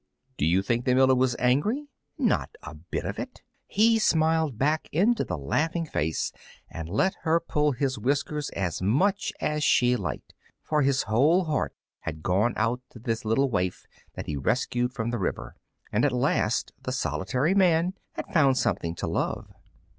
Do you think the miller was angry? Not a bit of it! He smiled back into the laughing face and let her pull his whiskers as much as she liked. For his whole heart had gone out to this little waif that he had rescued from the river, and at last the solitary man had found something to love.